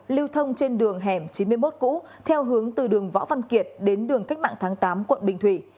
lưu thông trên đường hẻm chín mươi một cũ theo hướng từ đường võ văn kiệt đến đường cách mạng tháng tám quận bình thủy